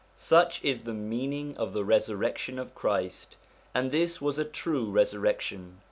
Such is the meaning of the resurrection of Christ, and this was a true resurrection.